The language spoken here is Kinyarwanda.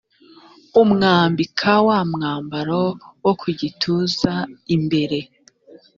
amwambika wa mwambaro wo ku gituza imbere